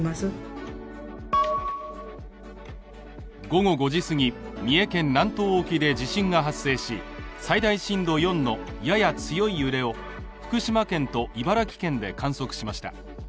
午後５時過ぎ、三重県南東沖で地震が発生し、最大震度４のやや強い揺れを福島県と茨城県で観測しました。